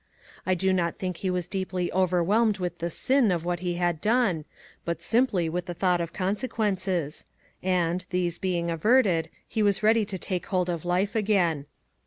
I do not think he was deeply overwhelmed with the */// of what he had done, but simply with the thought of con sequences; and, these being averted, he was ready to take hold of life again.